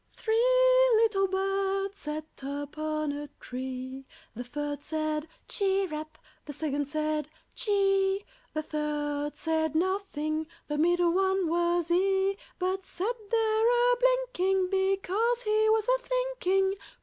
THREE little birds Sat upon a tree. The first said "Chirrup!" The second said "Chee!" The third said nothing, (The middle one was he,) But sat there a blinking, Because he was a thinking.